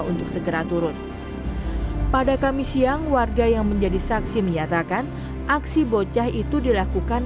untuk segera turun pada kamis siang warga yang menjadi saksi menyatakan aksi bocah itu dilakukan